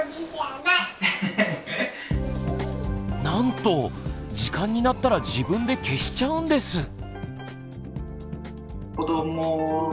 なんと時間になったら自分で消しちゃうんです。